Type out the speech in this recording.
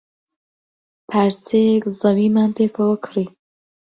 پارچەیەک زەویمان پێکەوە کڕی.